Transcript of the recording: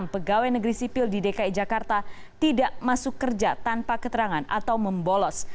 dua satu ratus delapan puluh enam pegawai negeri sipil di dki jakarta tidak masuk kerja tanpa keterangan atau membolos